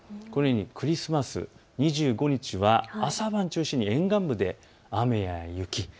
クリスマスの２５日は朝晩を中心に沿岸部で雨や雪。